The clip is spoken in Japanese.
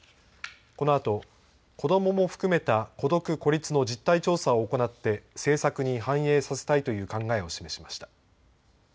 このあと子どもも含めた孤独・孤立の実態調査を行って政策に反映させたいという考えを示しました。